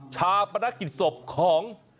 ชาปนกิจศพของ